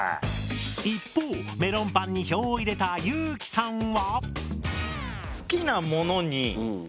一方メロンパンに票を入れた有輝さんは？